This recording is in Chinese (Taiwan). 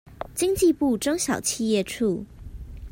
經濟部中小企業處